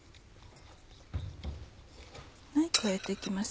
加えて行きます